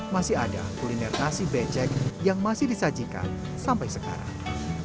masih ada kuliner nasi becek yang masih disajikan sampai sekarang